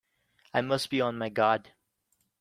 I must be on my guard!